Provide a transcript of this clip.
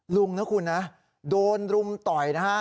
ลุงนะคุณนะโดนรุมต่อยนะฮะ